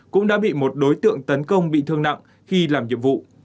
cũng đã bị một đối tượng tấn công bị thương nặng khi làm nhiệm vụ